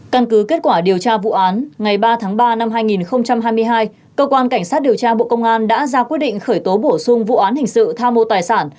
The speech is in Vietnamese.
căn cứ kết quả điều tra vụ án ngày ba tháng ba năm hai nghìn hai mươi hai cơ quan cảnh sát điều tra bộ công an đã ra quyết định khởi tố bổ sung vụ án hình sự tham mô tài sản